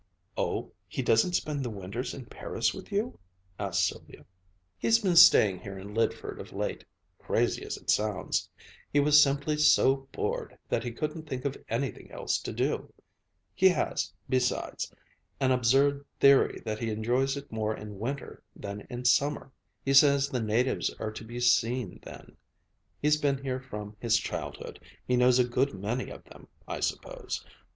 "Oh, he doesn't spend the winters in Paris with you?" asked Sylvia. "He's been staying here in Lydford of late crazy as it sounds. He was simply so bored that he couldn't think of anything else to do. He has, besides, an absurd theory that he enjoys it more in winter than in summer. He says the natives are to be seen then. He's been here from his childhood. He knows a good many of them, I suppose.